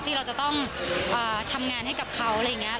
ที่เราจะต้องทำงานให้กับเขาอะไรอย่างนี้